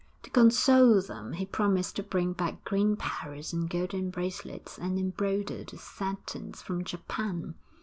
To console them, he promised to bring back green parrots and golden bracelets, and embroidered satins from Japan.